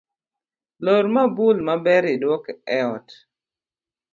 Lor mabul maber iduok eot